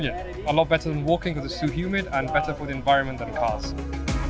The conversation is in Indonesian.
sangat lebih baik daripada berjalan karena terlalu hangat dan lebih baik untuk lingkungan daripada mobil